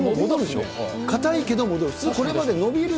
硬いけど、伸びる。